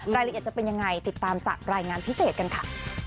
รายละเอียดจะเป็นยังไงติดตามจากรายงานพิเศษกันค่ะ